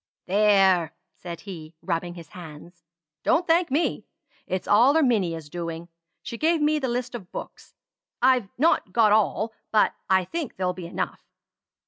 "There!" said he, rubbing his hands. "Don't thank me. It's all Erminia's doing. She gave me the list of books. I've not got all; but I think they'll be enough.